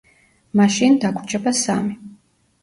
მაშინ, დაგვრჩება სამი.